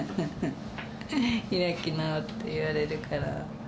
開き直って言われるから。